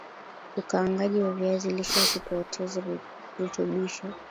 Ukaangaji wa viazi lishe usiopoteza virutubisho